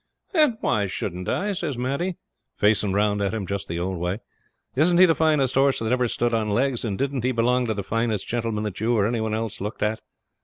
'And why shouldn't I?' says Maddie, facing round at him just the old way. 'Isn't he the finest horse that ever stood on legs, and didn't he belong to the finest gentleman that you or any one else looked at?